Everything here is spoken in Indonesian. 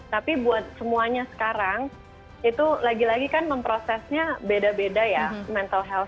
tapi buat semuanya sekarang itu lagi lagi kan memprosesnya beda beda ya mental health